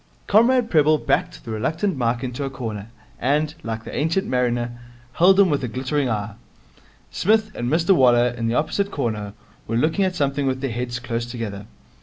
Comrade Prebble backed the reluctant Mike into a corner, and, like the Ancient Mariner, held him with a glittering eye. Psmith and Mr Waller, in the opposite corner, were looking at something with their heads close together.